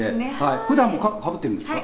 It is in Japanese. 普段もかぶってるんですか。